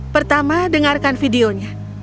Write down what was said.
pertama dengarkan videonya